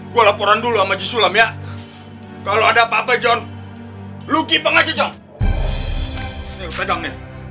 gue laporan dulu sama sulam ya kalau ada apa apa john